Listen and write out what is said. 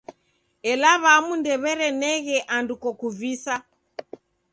Ela w'amu ndew'ereneghe andu kokuvisa.